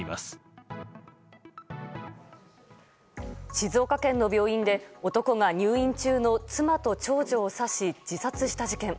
静岡県の病院で男が入院中の妻と長女を刺し自殺した事件。